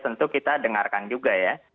tentu kita dengarkan juga ya